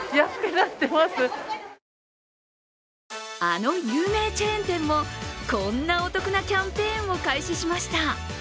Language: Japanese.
あの有名チェーン店も、こんなお得なキャンペーンを開始しました。